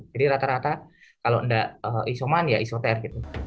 jadi rata rata kalau tidak isoman ya isoter